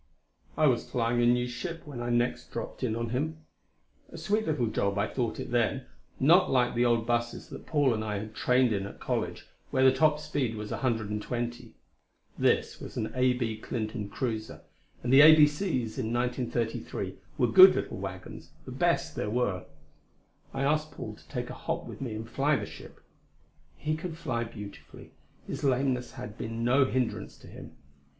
I was flying a new ship when next I dropped in on him. A sweet little job I thought it then, not like the old busses that Paul and I had trained in at college, where the top speed was a hundred and twenty. This was an A. B. Clinton cruiser, and the "A.B.C.'s" in 1933 were good little wagons, the best there were. I asked Paul to take a hop with me and fly the ship. He could fly beautifully; his lameness had been no hindrance to him.